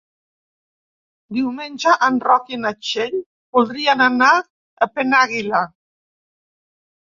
Diumenge en Roc i na Txell voldrien anar a Penàguila.